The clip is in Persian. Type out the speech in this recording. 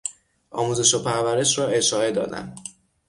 آموزش و پرورش را اشاعه دادن